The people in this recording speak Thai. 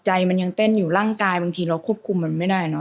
ใจมันยังเต้นอยู่ร่างกายบางทีเราควบคุมมันไม่ได้เนอ